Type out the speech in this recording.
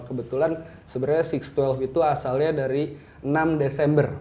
kebetulan sebenarnya enam ratus dua belas itu asalnya dari enam desember